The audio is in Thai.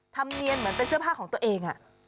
ธรรมเนียนเหมือนเป็นเสื้อผ้าของตัวเอง